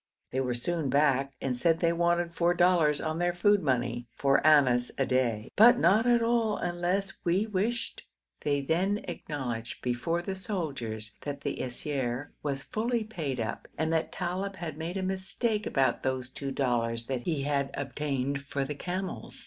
They were soon back, and said they wanted four dollars on their food money (four annas a day), 'but not at all unless we wished.' They then acknowledged, before the soldiers, that the siyar was fully paid up, and that Talib had made a mistake about those two dollars that he had obtained for the camels.